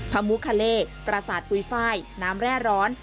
ภะมุคาเลปราสาทปุยฟ่ายน้ำแร่ร้อน